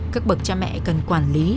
các bậc cha mẹ cần quản lý